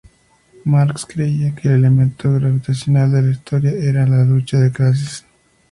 Marx creía que elemento gravitacional de la Historia era la lucha de clases.